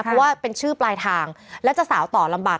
เพราะว่าเป็นชื่อปลายทางแล้วจะสาวต่อลำบาก